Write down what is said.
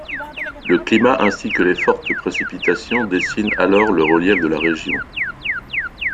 Le climat ainsi que les fortes précipitations dessinent alors le relief de la région.